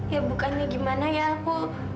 ya bukannya gimana ya aku